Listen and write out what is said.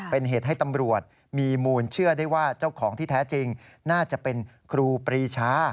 เป็นเหตุให้ตำรวจมีมูลเชื่อได้ว่าเจ้าของที่แท้จริงน่าจะเป็นครูปรีชา